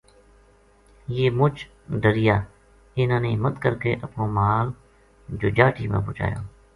یہ مُچ ڈریا اِنھاں نے ہمت کر کے اپنو مال جوجاٹی ما پوہچایو